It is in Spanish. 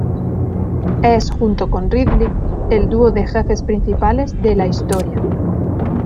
Es, junto con Ridley, el dúo de jefes principales de la historia.